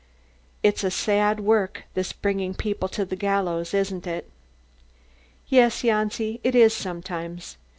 "It's a sad work, this bringing people to the gallows, isn't it?" "Yes, Janci, it is sometimes.